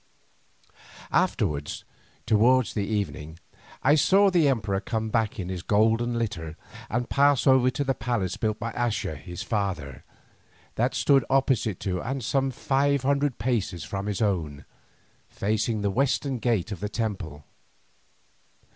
Afterwards, towards evening, I saw the emperor come back in his golden litter, and pass over to the palace built by Axa his father, that stood opposite to and some five hundred paces from his own, facing the western gate of the temple.